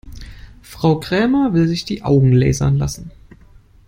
Frau Krämer will sich die Augen lasern lassen.